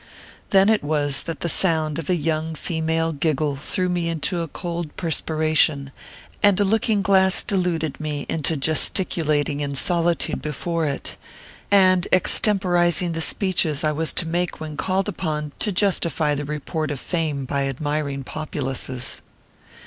15 Then it was that the sound of a young female giggle threw me into a cold perspiration, and a looking glass deluded me into gesticulating in solitude before it, and extemporizing the speeches I was to make when called upon to justify the report of fame by admiring populaces.